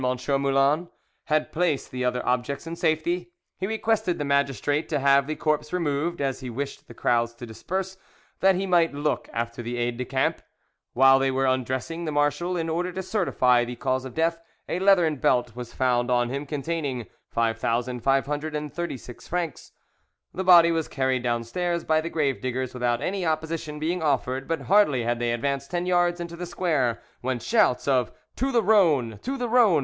Moulin had placed the other objects in safety, he requested the magistrate to have the corpse removed, as he wished the crowds to disperse, that he might look after the aides de camp. While they were undressing the marshal, in order to certify the cause of death, a leathern belt was found on him containing 5536 francs. The body was carried downstairs by the grave diggers without any opposition being offered, but hardly had they advanced ten yards into the square when shouts of "To the Rhone! to the Rhone!"